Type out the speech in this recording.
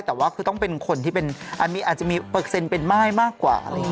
แต่ว่าคือต้องเป็นคนที่เป็นอาจจะมีเปอร์เซ็นต์เป็นม่ายมากกว่า